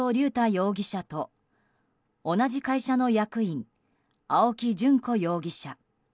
容疑者と同じ会社の役員青木淳子容疑者。